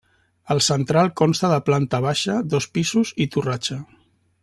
El central consta de planta baixa, dos pisos i torratxa.